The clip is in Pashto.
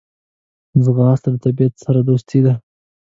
ځغاسته د طبیعت سره دوستي ده